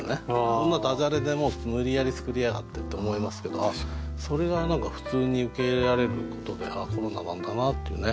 こんなだじゃれで無理やり作りやがってって思いますけどそれが何か普通に受け入れられることで「ああコロナなんだな」っていうね。